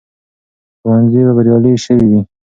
ښوونځي به بریالي شوي وي.